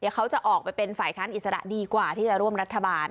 เขาจะออกไปเป็นฝ่ายค้านอิสระดีกว่าที่จะร่วมรัฐบาล